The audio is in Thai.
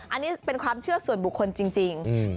อันนี้เป็นความเชื่อส่วนบุคคลจริง